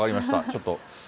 ちょっと。